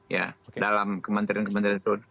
ya dalam kementerian kementerian itu